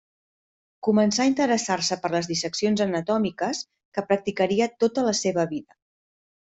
Començà a interessar-se per les disseccions anatòmiques que practicaria tota la seva vida.